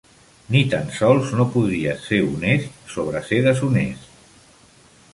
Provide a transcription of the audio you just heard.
Ni tan sols no podries ser honest sobre ser deshonest.